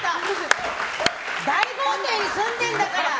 大豪邸に住んでるんだから！